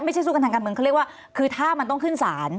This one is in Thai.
สู้กันทางการเมืองเขาเรียกว่าคือถ้ามันต้องขึ้นศาล